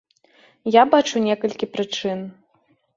Я бачу некалькі прычын.